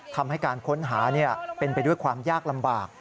ทำให้การค้นหาเป็นไปด้วยความยากลำบาก